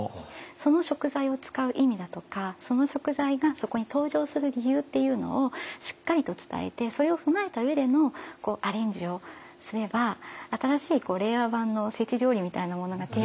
その食材を使う意味だとかその食材がそこに登場する理由っていうのをしっかりと伝えてそれを踏まえた上でのアレンジをすれば新しい令和版のおせち料理みたいなものが定番として定着していく。